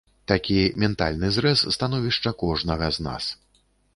Такі ментальны зрэз становішча кожнага з нас.